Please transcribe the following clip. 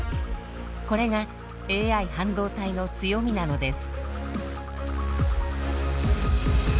これがＡＩ半導体の強みなのです。